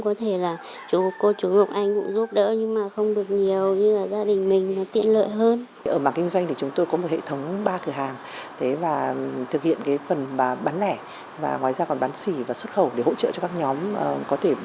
công ty đã thu hút được hàng chục người khuyết tật tham gia sản xuất